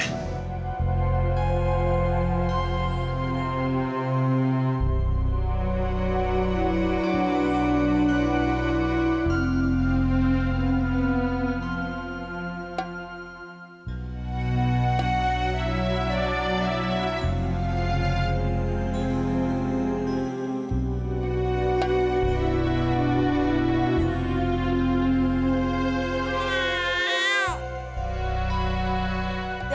ia pergi dulu ya